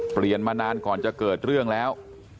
เปลี่ยนมานานก่อนจะเกิดเรื่องแล้ว